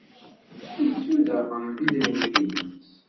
Yettu daɣen idrimen-nnes.